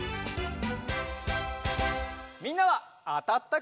みんなはあたったかな？